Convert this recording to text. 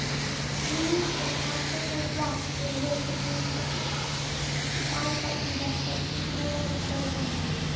He knew that it had a circle of black where the rope had bruised it. His eyes felt congested; he could no longer close them.